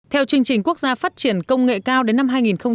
theo chương trình quốc gia phát triển công nghệ cao đến năm hai nghìn ba mươi